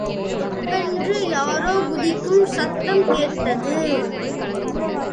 தொப்பென்று யாரோ குதிக்கும் சத்தம் கேட்டது.